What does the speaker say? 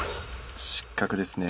失格ですね。